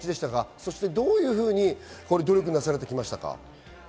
そしてどういうふうに努力なされてきましたか？